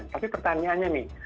tapi pertanyaannya nih